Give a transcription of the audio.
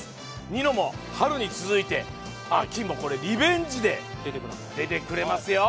ニノも春に続いて秋もリベンジで出てくれますよ。